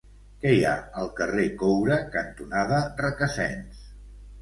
Què hi ha al carrer Coure cantonada Requesens?